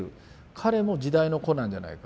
彼も時代の子なんじゃないか。